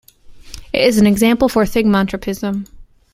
It is an example for thigmotropism.